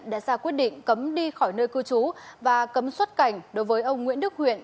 đã ra quyết định cấm đi khỏi nơi cư trú và cấm xuất cảnh đối với ông nguyễn đức huyện